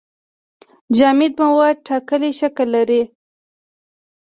جامد مواد ټاکلی شکل لري.